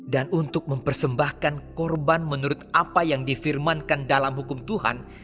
dan untuk mempersembahkan korban menurut apa yang difirmankan dalam hukum tuhan